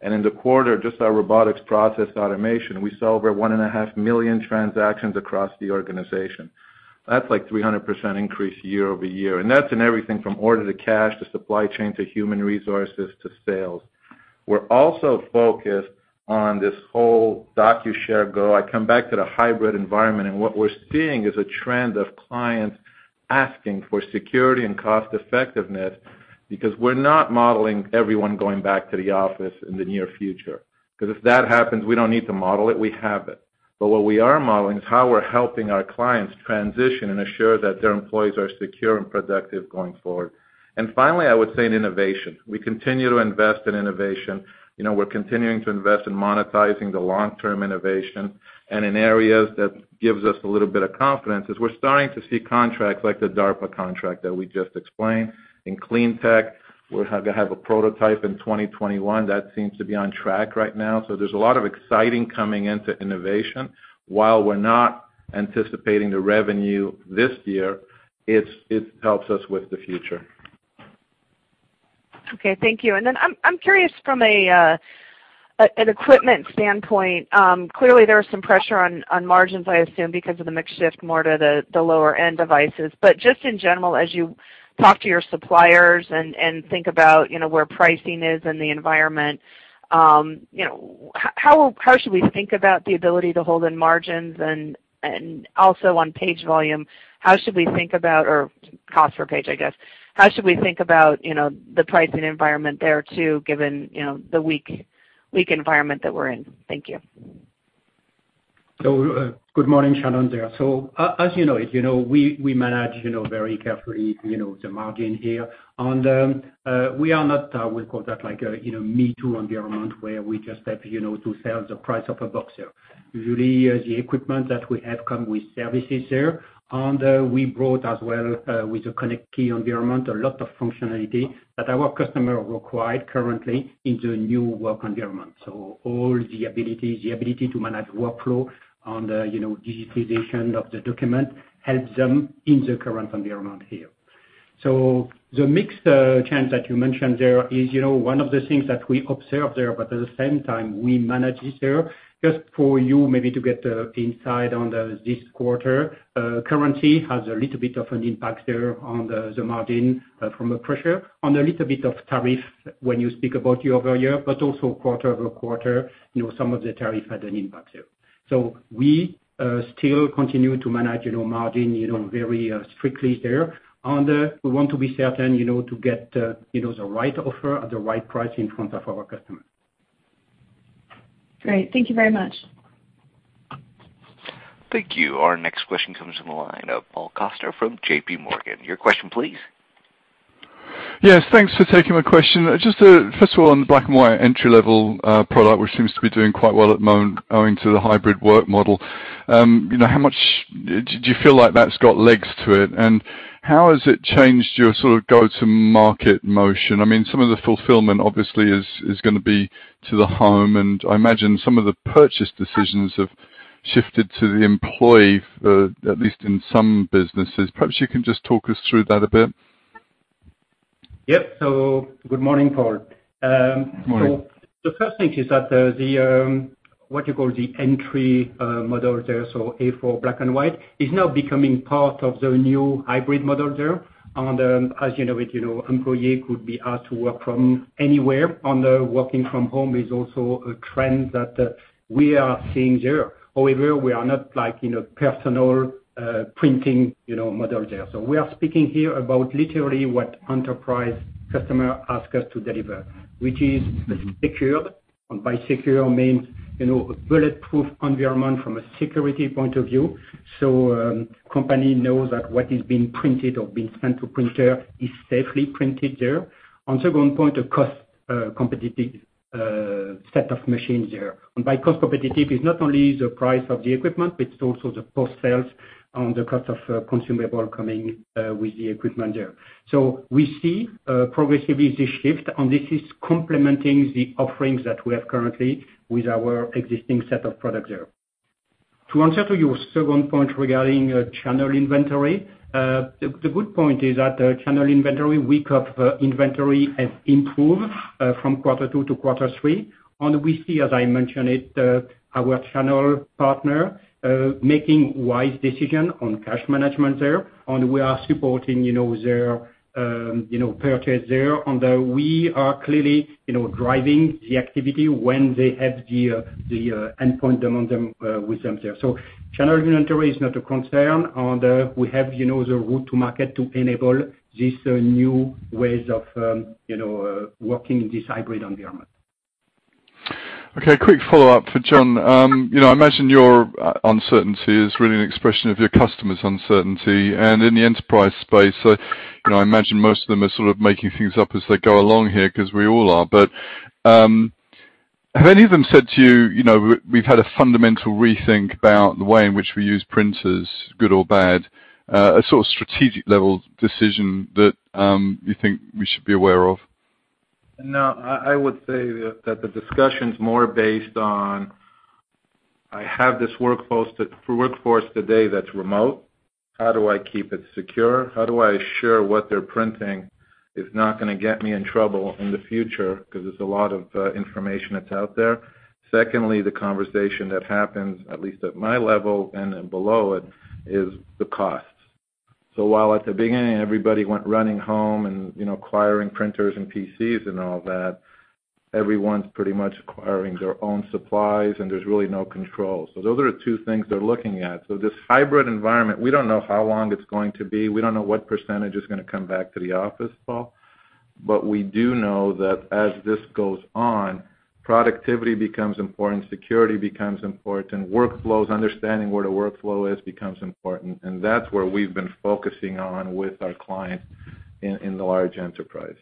And in the quarter, just our robotic process automation, we saw over 1.5 million transactions across the organization. That's like 300% increase year-over-year, and that's in everything from order to cash, to supply chain, to human resources, to sales. We're also focused on this whole DocuShare Go. I come back to the hybrid environment, and what we're seeing is a trend of clients asking for security and cost effectiveness, because we're not modeling everyone going back to the office in the near future. Because if that happens, we don't need to model it, we have it. But what we are modeling is how we're helping our clients transition and assure that their employees are secure and productive going forward. And finally, I would say in innovation. We continue to invest in innovation. You know, we're continuing to invest in monetizing the long-term innovation, and in areas that gives us a little bit of confidence, is we're starting to see contracts like the DARPA contract that we just explained. In clean tech, we're gonna have a prototype in 2021. That seems to be on track right now. So there's a lot of exciting coming into innovation. While we're not anticipating the revenue this year, it helps us with the future. Okay, thank you. And then I'm curious from an equipment standpoint, clearly there is some pressure on margins, I assume, because of the mix shift more to the lower-end devices. But just in general, as you talk to your suppliers and think about, you know, where pricing is in the environment, you know, how should we think about the ability to hold in margins? And also on page volume, how should we think about or cost per page, I guess. How should we think about, you know, the pricing environment there, too, given, you know, the weak environment that we're in? Thank you. So, good morning, Shannon, there. So as you know, as you know, we, we manage, you know, very carefully, you know, the margin here. And, we are not, we call that like a, you know, me-too environment, where we just have, you know, to sell the price of a box here. Usually, the equipment that we have come with services there, and, we brought as well, with the ConnectKey environment, a lot of functionality that our customer required currently in the new work environment. So all the ability, the ability to manage workflow on the, you know, digitization of the document, helps them in the current environment here. So the mixed, change that you mentioned there is, you know, one of the things that we observe there, but at the same time, we manage it there. Just for you, maybe to get insight on this quarter, currency has a little bit of an impact there on the margin from a pressure, and a little bit of tariff when you speak about year-over-year, but also quarter-over-quarter, you know, some of the tariff had an impact here. So we still continue to manage, you know, margin, you know, very strictly there. And we want to be certain, you know, to get, you know, the right offer at the right price in front of our customers. Great. Thank you very much. Thank you. Our next question comes from the line of Paul Coster from JPMorgan. Your question, please. Yes, thanks for taking my question. Just, first of all, on the black and white entry-level product, which seems to be doing quite well at the moment, owing to the hybrid work model, you know, how much do you feel like that's got legs to it? And how has it changed your sort of go-to-market motion? I mean, some of the fulfillment, obviously, is gonna be to the home, and I imagine some of the purchase decisions have shifted to the employee, at least in some businesses. Perhaps you can just talk us through that a bit. Yep. So good morning, Paul. Morning. So the first thing is that, what you call the entry model there, so A4 black and white, is now becoming part of the new hybrid model there. As you know it, you know, employee could be asked to work from anywhere on the working from home is also a trend that we are seeing there. However, we are not like, you know, personal printing, you know, model there. So we are speaking here about literally what enterprise customer ask us to deliver, which is secured, and by secure means, you know, bulletproof environment from a security point of view. So company knows that what is being printed or being sent to printer is safely printed there. On second point, a cost competitive set of machines there. By cost competitive, it's not only the price of the equipment, but it's also the post-sales and the cost of consumable coming with the equipment there. So we see progressively this shift, and this is complementing the offerings that we have currently with our existing set of products there. To answer to your second point regarding channel inventory, the good point is that channel inventory weeks of inventory has improved from quarter two to quarter three. And we see, as I mentioned it, our channel partner making wise decision on cash management there, and we are supporting, you know, their you know purchase there, and we are clearly, you know, driving the activity when they have the endpoint demand them with them there. So channel inventory is not a concern, and we have, you know, the route to market to enable these new ways of, you know, working in this hybrid environment. Okay, quick follow-up for John. You know, I imagine your uncertainty is really an expression of your customers' uncertainty. And in the enterprise space, you know, I imagine most of them are sort of making things up as they go along here, 'cause we all are. But, have any of them said to you, "You know, we- we've had a fundamental rethink about the way in which we use printers, good or bad?" A sort of strategic level decision that you think we should be aware of? No, I would say that the discussion's more based on, I have this workforce today that's remote. How do I keep it secure? How do I assure what they're printing is not gonna get me in trouble in the future? Because there's a lot of information that's out there. Secondly, the conversation that happens, at least at my level and then below it, is the cost. So while at the beginning, everybody went running home and, you know, acquiring printers and PCs and all that, everyone's pretty much acquiring their own supplies, and there's really no control. So those are the two things they're looking at. So this hybrid environment, we don't know how long it's going to be. We don't know what percentage is gonna come back to the office, Paul. But we do know that as this goes on, productivity becomes important, security becomes important, workflows, understanding where the workflow is, becomes important, and that's where we've been focusing on with our clients in the large enterprise.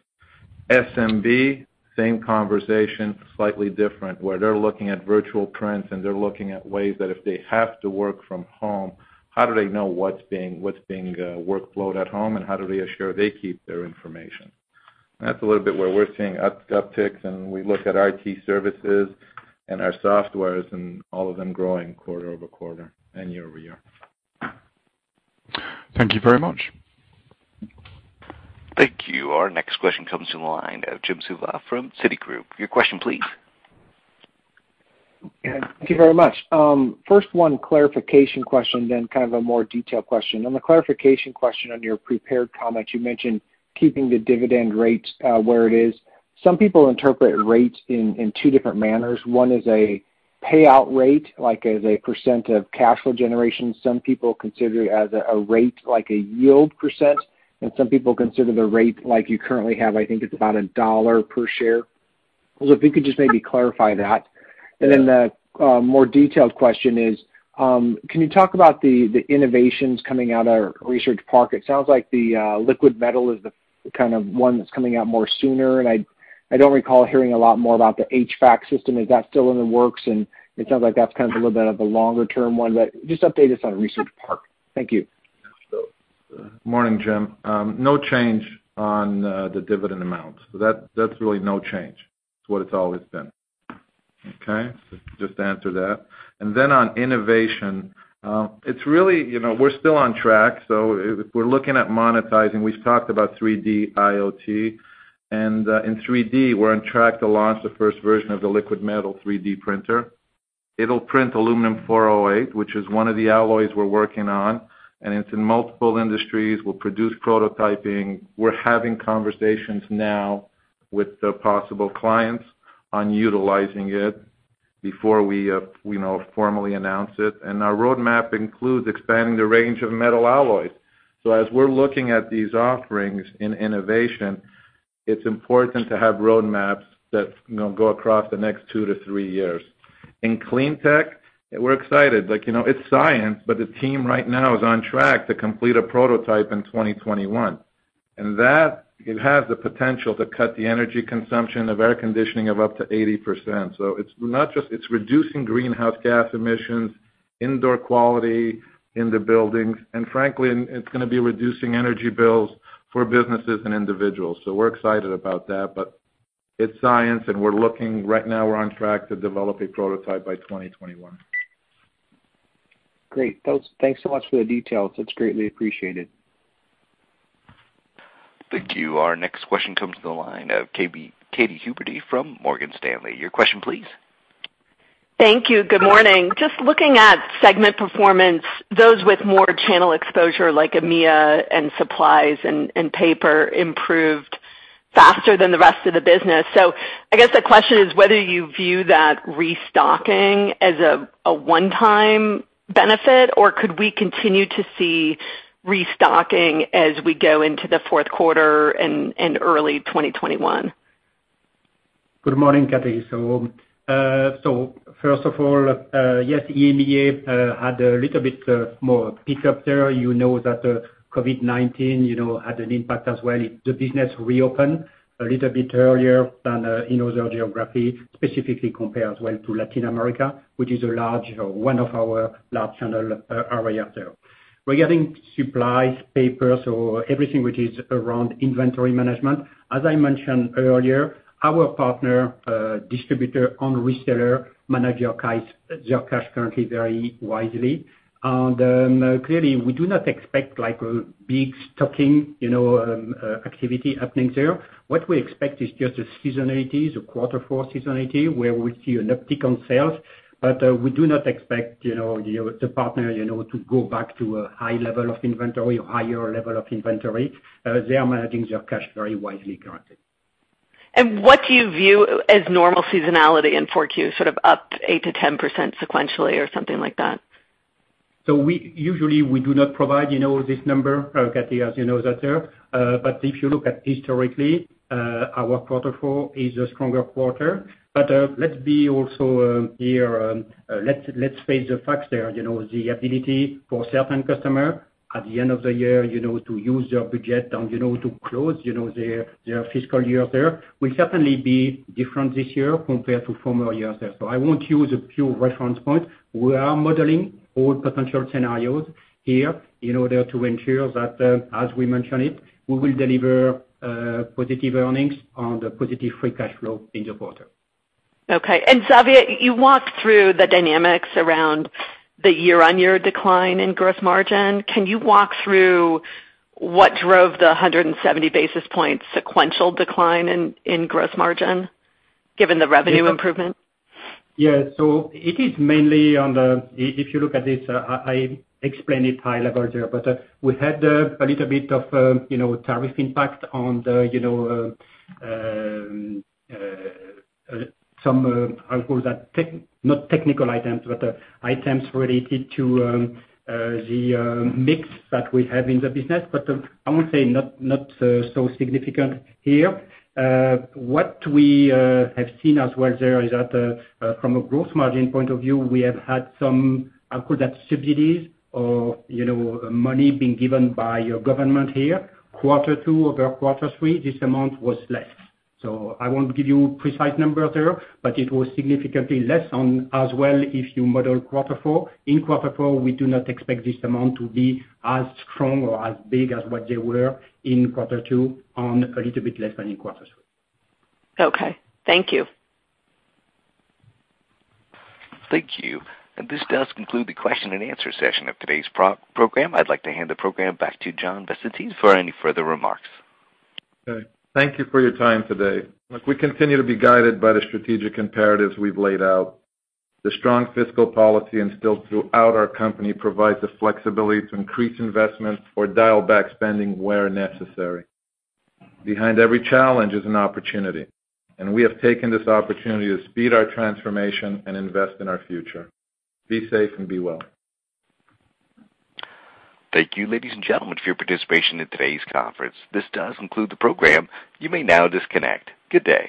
SMB, same conversation, slightly different, where they're looking at virtual prints, and they're looking at ways that if they have to work from home, how do they know what's being worked on at home, and how do they assure they keep their information? And that's a little bit where we're seeing upticks, and we look at our IT services and our software and all of them growing quarter-over-quarter and year-over-year. Thank you very much. Thank you. Our next question comes from the line of Jim Suva from Citigroup. Your question please. Yeah, thank you very much. First one clarification question, then kind of a more detailed question. On the clarification question, on your prepared comments, you mentioned keeping the dividend rates where it is. Some people interpret rates in two different manners. One is a payout rate, like as a % of cash flow generation. Some people consider it as a rate, like a yield %, and some people consider the rate like you currently have, I think it's about $1 per share. So if you could just maybe clarify that. Yeah. And then the more detailed question is, can you talk about the innovations coming out of research PARC? It sounds like the liquid metal is the kind of one that's coming out more sooner, and I don't recall hearing a lot more about the HVAC system. Is that still in the works? And it sounds like that's kind of a little bit of a longer term one, but just update us on research PARC. Thank you. So, morning, Jim. No change on the dividend amount. So that's really no change to what it's always been. Okay? Just to answer that. And then on innovation, it's really... You know, we're still on track, so we're looking at monetizing. We've talked about 3D IoT, and in 3D, we're on track to launch the first version of the liquid metal 3D printer. It'll print aluminum 4008, which is one of the alloys we're working on, and it's in multiple industries. We'll produce prototyping. We're having conversations now with the possible clients on utilizing it before we, you know, formally announce it. And our roadmap includes expanding the range of metal alloys. So as we're looking at these offerings in innovation, it's important to have roadmaps that, you know, go across the next two to three years. In clean tech, we're excited. Like, you know, it's science, but the team right now is on track to complete a prototype in 2021. And that, it has the potential to cut the energy consumption of air conditioning of up to 80%. So it's not just- it's reducing greenhouse gas emissions, indoor quality in the buildings, and frankly, it's gonna be reducing energy bills for businesses and individuals. So we're excited about that, but it's science, and we're looking... Right now, we're on track to develop a prototype by 2021. Great. Thanks so much for the details. It's greatly appreciated. ...Our next question comes to the line of Katie, Katy Huberty from Morgan Stanley. Your question please? Thank you. Good morning. Just looking at segment performance, those with more channel exposure, like EMEA and supplies and paper, improved faster than the rest of the business. So I guess the question is whether you view that restocking as a one-time benefit, or could we continue to see restocking as we go into the fourth quarter and early 2021? Good morning, Katie. So, so first of all, yes, EMEA had a little bit more pick up there. You know that COVID-19, you know, had an impact as well. It, the business reopened a little bit earlier than in other geography, specifically compare as well to Latin America, which is a large, one of our large channel area there. Regarding supplies, papers or everything which is around inventory management, as I mentioned earlier, our partner distributor and reseller manage your cash, their cash currently very wisely. And, clearly, we do not expect like a big stocking, you know, activity happening there. What we expect is just a seasonality, so quarter four seasonality, where we see an uptick on sales. But, we do not expect, you know, you, the partner, you know, to go back to a high level of inventory or higher level of inventory. They are managing their cash very wisely currently. What do you view as normal seasonality in 4Q, sort of up 8%-10% sequentially or something like that? So we usually do not provide, you know, this number, Katie, as you know that there. But if you look at historically, our quarter four is a stronger quarter. But, let's be also here, let's face the facts there. You know, the ability for certain customer at the end of the year, you know, to use their budget and, you know, to close, you know, their fiscal year there, will certainly be different this year compared to former years there. So I won't use a pure reference point. We are modeling all potential scenarios here in order to ensure that, as we mentioned it, we will deliver, positive earnings on the positive free cash flow in the quarter. Okay. And Xavier, you walked through the dynamics around the year-on-year decline in gross margin. Can you walk through what drove the 170 basis points sequential decline in gross margin, given the revenue improvement? Yeah. So it is mainly on the... If you look at this, I explain it high level there, but, we had a little bit of, you know, tariff impact on the, you know, some, I call that tech- not technical items, but, items related to the mix that we have in the business. But, I would say not so significant here. What we have seen as well there is that, from a gross margin point of view, we have had some, I call that, subsidies or, you know, money being given by your government here. Quarter two over quarter three, this amount was less. So I won't give you precise numbers there, but it was significantly less on, as well if you model quarter four. In quarter four, we do not expect this amount to be as strong or as big as what they were in quarter two, or a little bit less than in quarter three. Okay. Thank you. Thank you. This does conclude the question and answer session of today's program. I'd like to hand the program back to John Visentin for any further remarks. Okay. Thank you for your time today. Look, we continue to be guided by the strategic imperatives we've laid out. The strong fiscal policy instilled throughout our company provides the flexibility to increase investments or dial back spending where necessary. Behind every challenge is an opportunity, and we have taken this opportunity to speed our transformation and invest in our future. Be safe and be well. Thank you, ladies and gentlemen, for your participation in today's conference. This does conclude the program. You may now disconnect. Good day!